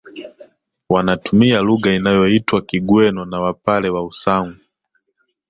Wanatumia lugha inayoitwa Kigweno na Wapare wa Usangu